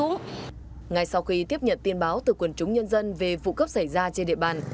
ngày sau khi tiếp nhận tin báo từ quần chúng nhân dân về vụ cướp xảy ra trên địa bàn